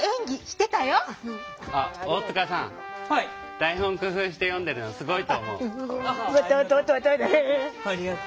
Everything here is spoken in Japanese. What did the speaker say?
台本工夫して読んでるのすごいと思う。